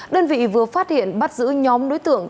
đơn vị vừa phát hiện bắt giữ nhóm đối tượng